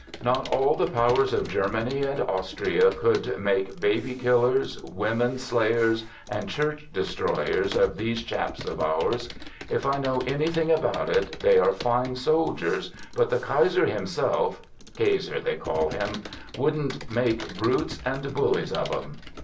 Not all the pow ers of Germany and Austria could make baby killers, "THE GOOD SOLDIER" 89 women slayers, and church destroyers of these chaps of ours. If I know anything about it, they are fine soldiers, but the kaiser himself —" kayser," they call him — couldn't make brutes and bullies of 'em.